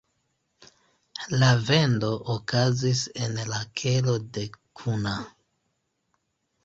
La vendo okazis en la kelo de Kuna.